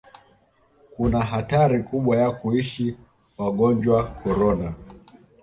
kuna hatari kubwa ya kuishi wagonjwa korona